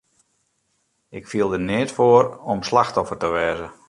Ik fiel der neat foar om slachtoffer te wêze.